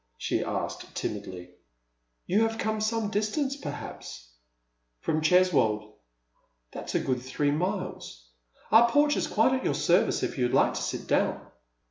she asked, timidly. " You have come some distance, perhaps ?"" From Cheswold." " That's a good three miles. Our porch is quite at your service if you would Uke to sit down."